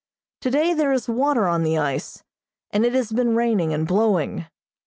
Today there is water on the ice, and it has been raining and blowing.